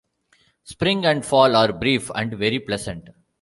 Spring and fall are brief and very pleasant.